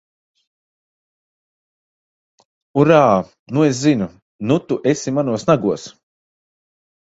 Urā! Nu es zinu! Nu tu esi manos nagos!